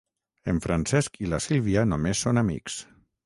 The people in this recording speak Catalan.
En Francesc i la Sílvia només són amics.